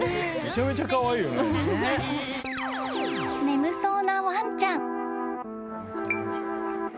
［眠そうなワンちゃん］